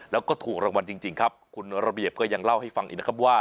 แล้วก็ถูกรางวัลจริงครับคุณระเบียบก็ยังเล่าให้ฟังอีกนะครับว่า